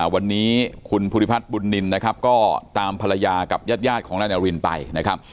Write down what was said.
วันนี้คุณภูริพัฒน์บุญนินนะครับก็ตามภรรยากับญาติของนายนารินไปนะครับ